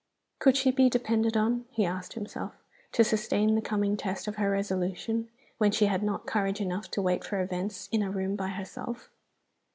Could she be depended on (he asked himself) to sustain the coming test of her resolution, when she had not courage enough to wait for events in a room by herself?